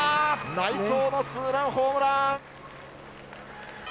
内藤のツーランホームラン。